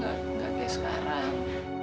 gak kayak sekarang